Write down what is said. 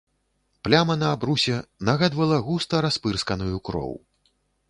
Пляма на абрусе нагадвала густа распырсканую кроў.